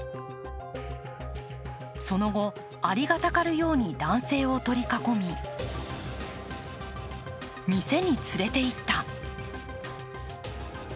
その後、アリがたかるように男性を取り囲み、店に連れていった。